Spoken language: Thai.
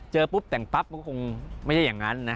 ปุ๊บแต่งปั๊บมันก็คงไม่ใช่อย่างนั้นนะ